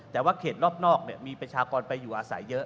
แต่ว่าเขตรอบนอกมีประชากรไปอยู่อาศัยเยอะ